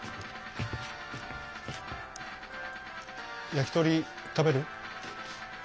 焼きとり食べる？